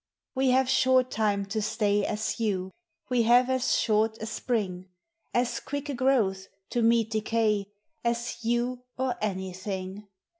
We have short time to stay as you, We have as short a spring; As quick a growth, to meet decay, As you or anything.